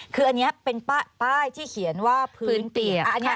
คืออันนี้เป็นป้ายที่เขียนว่าพื้นเปียก